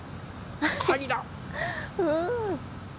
カニだ。